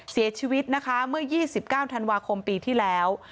เสียชีวิตนะคะเมื่อ๒๙ธันวาคมปีที่แล้ว